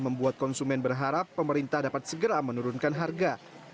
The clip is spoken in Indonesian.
membuat konsumen berharap pemerintah dapat segera menurunkan harga